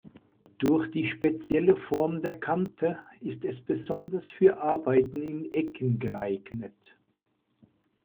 Durch die spezielle Form der Kante ist es besonders für Arbeiten in Ecken geeignet.